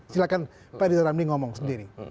silahkan pak riza ramli ngomong sendiri